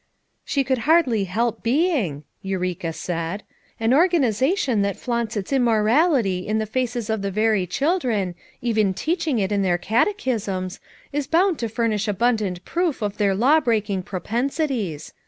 • "She could hardly help being," Eureka said. "An organization that flaunts its immorality in the faces of the very children, even teaching it in their catechisms, is bound to furnish abun dant proof of their law breaking propensities.